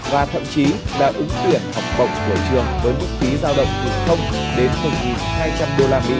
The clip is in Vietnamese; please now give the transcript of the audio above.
và thậm chí đã ứng tuyển học bổng của trường với mức phí giao động từ đến một hai trăm linh usd